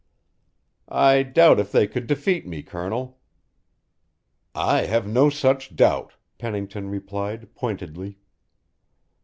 "I doubt if they could defeat me, Colonel." "I have no such doubt," Pennington replied pointedly.